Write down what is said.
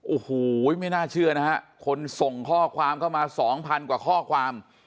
โอ้โหไม่น่าเชื่อนะฮะคนส่งข้อความเข้ามาสองพันกว่าข้อความ